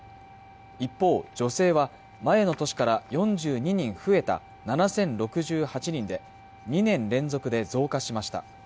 一方女性は前の年から４０人に増えた７０６８人で２年連続で増加しました